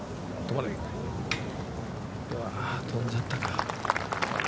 うわ、飛んじゃったか。